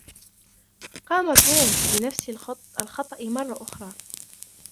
قام توم بنفس الخطأ مرة أخرى.